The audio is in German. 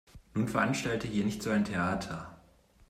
Nun veranstalte hier nicht so ein Theater.